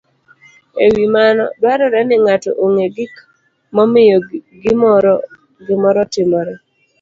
e wi mano, dwarore ni ng'ato ong'e gik momiyo gimoro otimore.